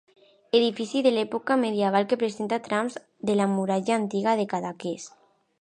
Edifici d'època medieval que presenta trams de la muralla antiga de Cadaqués.